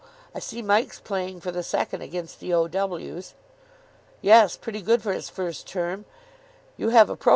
I see Mike's playing for the second against the O.W.s." "Yes. Pretty good for his first term. You have a pro.